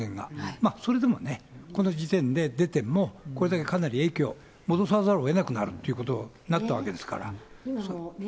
まあそれでもね、この時点で出ても、これだけかなり影響、戻さざるをえなくなるということなったわけですから。